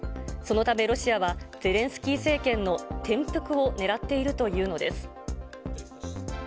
そのため、ロシアはゼレンスキー政権の転覆をねらっているというのです。